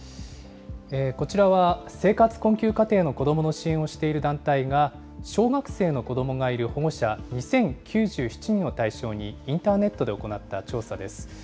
こちらは、生活困窮家庭の子どもの支援をしている団体が、小学生の子どもがいる保護者２０９７人を対象に、インターネットで行った調査です。